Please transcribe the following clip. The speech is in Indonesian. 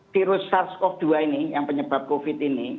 virus sars cov dua ini yang penyebab covid ini